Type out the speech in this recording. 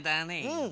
うん。